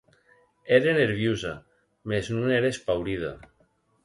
Ère nerviosa, mès non ère espaurida.